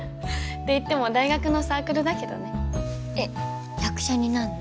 ていっても大学のサークルだけどねえっ役者になんの？